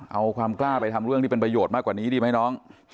เอาความกล้าไปทำเรื่องที่เป็นประโยชน์มากกว่านี้ดีไหมน้อง